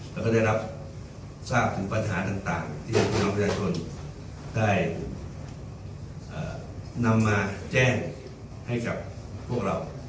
แล้วก็ได้รับทราบถึงปัญหาต่างที่พี่น้องประชาชนได้นำมาแจ้งให้กับพวกเรา